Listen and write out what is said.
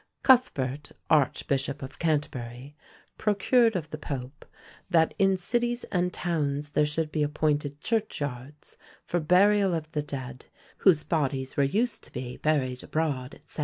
Cuthbert, Archbyshope of Canterbury, procured of the Pope, that in cities and townes there should be appoynted church yards for buriall of the dead, whose bodies were used to be buried abrode, & cet.